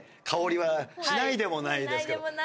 香りはしないでもないですけど。